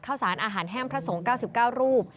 ข้าวสารอาหารแห้งพระสงฆ์๙๙รูป